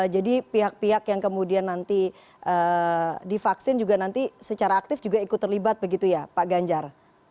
jadi pihak pihak yang kemudian nanti divaksin juga nanti secara aktif ikut terlibat begitu ya pak ganjar